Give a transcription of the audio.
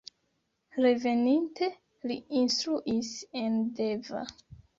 Reveninte li instruis en Deva.